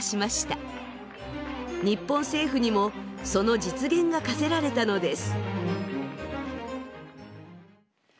日本政府にもその実現が課せられたのです。